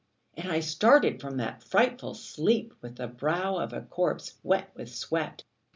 And I started from that frightful sleep with the brow of a corpse, wet with sweat....